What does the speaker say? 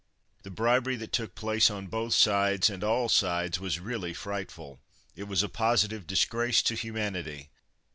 The bribery that took place on both sides and all sides was really frightful. It was a positive disgrace to humanity.